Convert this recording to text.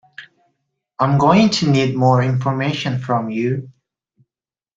I am going to need more information from you